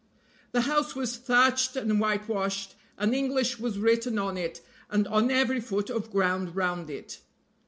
The house was thatched and whitewashed, and English was written on it and on every foot of ground round it.